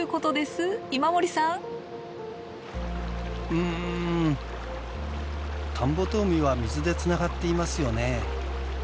うん田んぼと海は水でつながっていますよね。